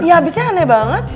ya abisnya aneh banget